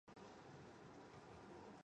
He had a great influence on the young Jef.